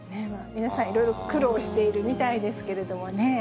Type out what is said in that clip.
皆さん、いろいろ苦労しているみたいですけれどもね。